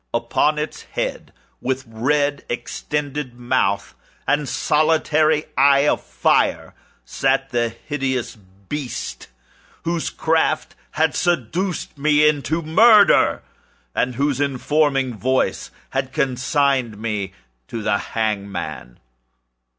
Upon its head, with red extended mouth and solitary eye of fire, sat the hideous beast whose craft had seduced me into murder, and whose informing voice had consigned me to the hangman.